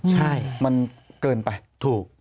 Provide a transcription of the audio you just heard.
ใช่มันเกินไปถูก